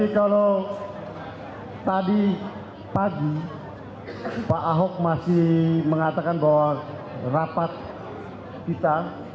kalau tadi pagi pak ahok masih mengatakan bahwa rapat kita